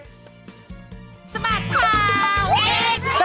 สวัสดีครับ